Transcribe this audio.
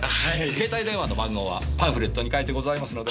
携帯電話の番号はパンフレットに書いてございますので。